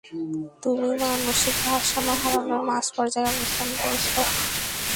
তুমি মানসিক ভারসাম্য হারানোর মাঝ পর্যায়ে অবস্থান করছ!